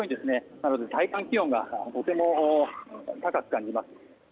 なので、体感気温がとても高く感じます。